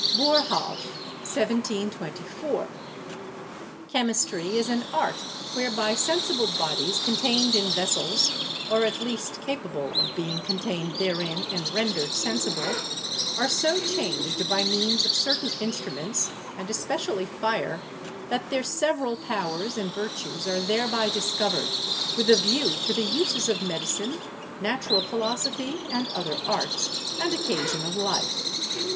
Boerhaave (1724). "Chemistry is an art whereby sensible bodies contained in vessels (or at least ca pable of being contained therein and rendered sen sible) are so changed by means of certain instruments, and especially fire, that their several powers and vir tues are thereby discovered with a view to the uses of medicine, natural philosophy and other arts, and occa sion of life."